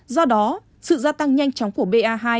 do đó sự gia tăng nhanh chóng của ba hai